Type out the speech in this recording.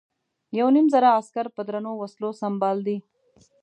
یو نیم زره عسکر په درنو وسلو سمبال دي.